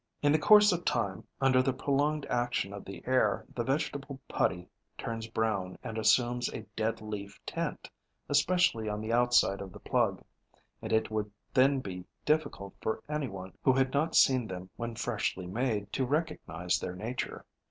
In course of time, under the prolonged action of the air, the vegetable putty turns brown and assumes a dead leaf tint, especially on the outside of the plug; and it would then be difficult for any one who had not seen them when freshly made to recognize their nature.